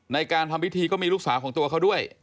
ในการทำพิธีก็มีลูกสาวของตัวเขาด้วย